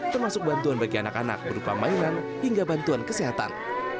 termasuk bantuan bagi anak anak berupa mainan hingga bantuan kesehatan